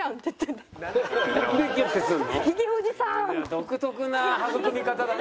独特な育み方だね。